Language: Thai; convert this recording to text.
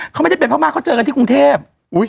เขาไม่ได้เป็นพม่าเขาเจอกันที่กรุงเทพ